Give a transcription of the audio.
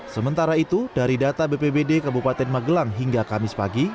sementara itu dari data bpbd kabupaten magelang hingga kamis pagi